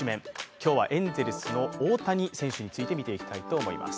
今日はエンゼルスの大谷選手について見ていきたいと思います。